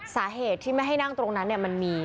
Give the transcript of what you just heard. สาเหตุที่ไม่ให้นั่งตรงนั้นมันมี